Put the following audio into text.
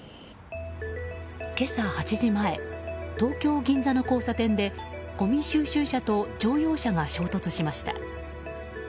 今朝８時前東京・銀座の交差点でごみ収集車と乗用車が衝突しました。